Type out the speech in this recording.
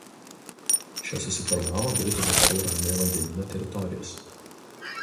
Čia susiformavo Britų Vakarų Ramiojo Vandenyno Teritorijos.